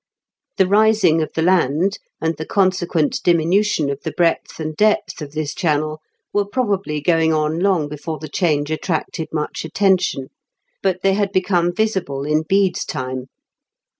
The rising of the land, and the consequent diminution of the breadth and depth of this channel, were probably going on long before the change attracted much attention ; but they had become visible in Bede's time.